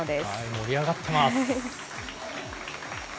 盛り上がってます。